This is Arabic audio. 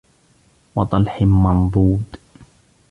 وطلح منضود